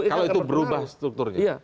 kalau itu berubah strukturnya